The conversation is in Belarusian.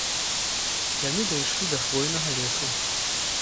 Яны дайшлі да хвойнага лесу.